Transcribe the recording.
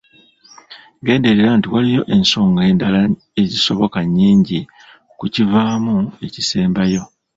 Genderera nti waliwo ensonga endala ezisoboka nnyingi ku kivaamu ekisembayo.